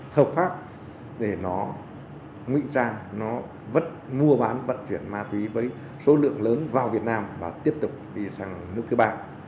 thập pháp để nó ngụy ra nó vất mua bán vận chuyển ma túy với số lượng lớn vào việt nam và tiếp tục đi sang nước cơ bản